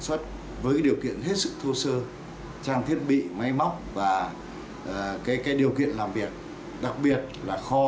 xuất với điều kiện hết sức thô sơ trang thiết bị máy móc và điều kiện làm việc đặc biệt là kho